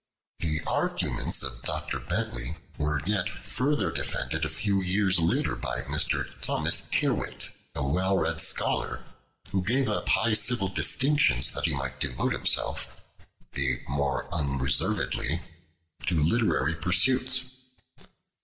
The arguments of Dr. Bentley were yet further defended a few years later by Mr. Thomas Tyrwhitt, a well read scholar, who gave up high civil distinctions that he might devote himself the more unreservedly to literary pursuits.